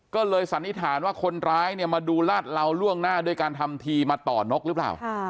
ก็เลยสันนิษฐานว่าคนร้ายเนี่ยมาดูลาดเหลาล่วงหน้าด้วยการทำทีมาต่อนกหรือเปล่า